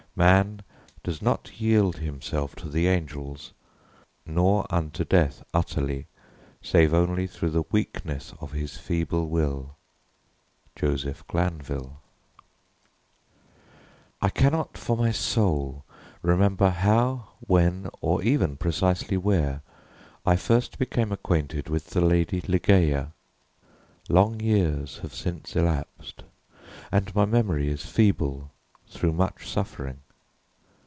Man doth not yield himself to the angels, nor unto death utterly, save only through the weakness of his feeble will. Joseph Glanvill. I cannot, for my soul, remember how, when, or even precisely where, I first became acquainted with the lady Ligeia. Long years have since elapsed, and my memory is feeble through much suffering.